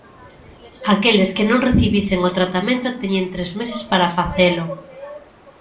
Aqueles que non recibisen o tratamento teñen tres meses para facelo.